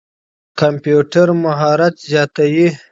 کمپيوټر مهارت زياتوي.